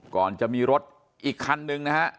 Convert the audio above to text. ก่อนจะมีรถอีกคันนึงนะฮะ